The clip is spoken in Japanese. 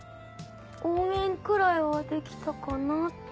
応援くらいはできたかなって。